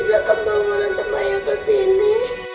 jangan mau orang tempat yang kesini